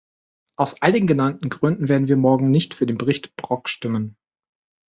Aus all den genannten Gründen werden wir morgen nicht für den Bericht Brok stimmen.